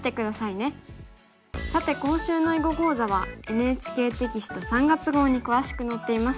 さて今週の囲碁講座はＮＨＫテキスト３月号に詳しく載っています。